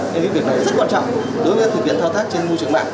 cái việc này rất quan trọng đối với thực hiện thao tác trên môi trường mạng